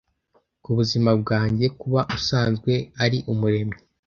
Kubuzima bwanjye! kuba usanzwe ari umuremyi,